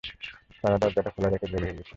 তারা দরজাটা খোলা রেখেই বের হয়ে গেছে!